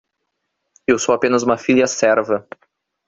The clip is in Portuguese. Eu sou apenas uma filha serva.